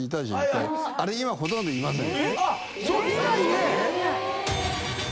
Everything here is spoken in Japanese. それでほとんど今いません。